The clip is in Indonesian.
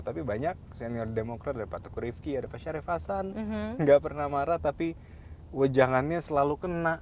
tapi banyak senior demokrat ada pak tegur rifki ada pak syarif hasan nggak pernah marah tapi wejangannya selalu kena